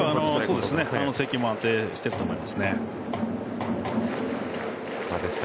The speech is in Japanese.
制球も安定してると思います。